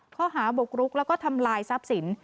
ข้อหาบุกรุกแล้วก็ทำลายทรัพย์สิน